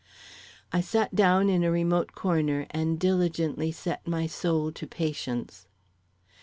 I sat down in a remote corner and diligently set my soul to patience.